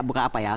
bukan apa ya